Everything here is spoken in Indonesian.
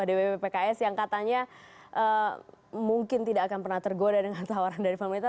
dpp pks yang katanya mungkin tidak akan pernah tergoda dengan tawaran dari pemerintah